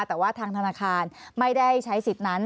แต่ว่าทางธนาคารไม่ได้ใช้สิทธิ์นั้น